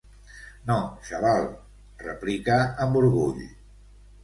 No, xaval —replica amb orgull—.